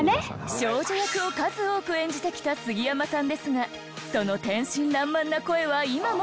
少女役を数多く演じてきた杉山さんですがその天真爛漫な声は今も健在。